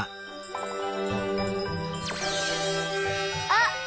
あっ！